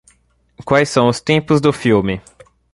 Quais são os tempos do filme?